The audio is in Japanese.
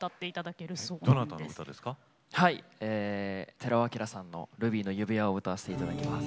寺尾聰さんの「ルビーの指環」を歌わせていただきます。